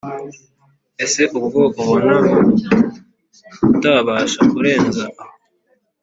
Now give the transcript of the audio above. ese ubwo ubona utabasha kurenza aho